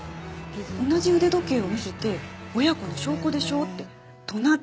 同じ腕時計を見せて「親子の証拠でしょ」って怒鳴ってた。